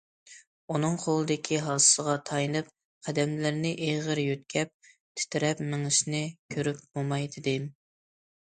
ئۇنىڭ قولىدىكى ھاسىسىغا تايىنىپ، قەدەملىرىنى ئېغىر يۆتكەپ، تىترەپ مېڭىشىنى كۆرۈپ موماي دېدىم.